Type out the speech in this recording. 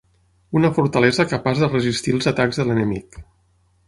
Una fortalesa capaç de resistir els atacs de l'enemic.